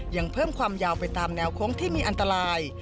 ยังเพิ่มความยาวไปตามแนวโค้งที่มีอันตราย